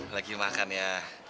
lagi makan ya